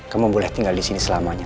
kamu boleh tinggal disini selamanya